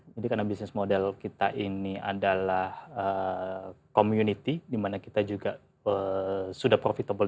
jadi karena business model kita ini adalah community dimana kita juga sudah profitable